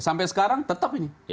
sampai sekarang tetap ini